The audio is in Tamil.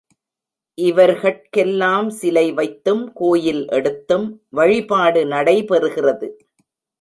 இவர்கட்கெல்லாம் சிலை வைத்தும் கோயில் எடுத்தும் வழிபாடு நடைபெறுகிறது.